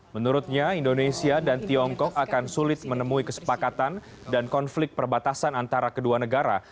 menurutnya indonesia dan tiongkok akan sulit menemui kesepakatan dan konflik perbatasan antara kedua negara